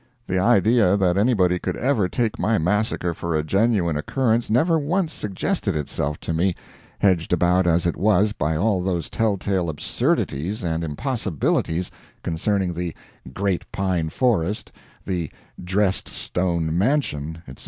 The idea that anybody could ever take my massacre for a genuine occurrence never once suggested itself to me, hedged about as it was by all those telltale absurdities and impossibilities concerning the "great pine forest," the "dressed stone mansion," etc.